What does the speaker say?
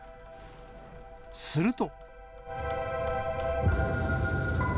すると。